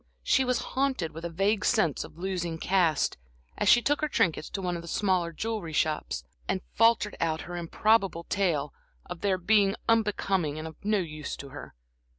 She was haunted with a vague sense of losing caste, as she took her trinkets to one of the smaller jewelry shops, and faltered out her improbable tale of their being unbecoming and of no use to her.